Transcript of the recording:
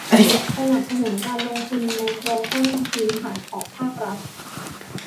สนับสนุนการลงทุนในโครงสร้างพื้นฐานของภาครัฐ